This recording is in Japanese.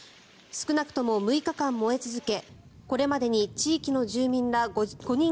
少なくとも６日間燃え続け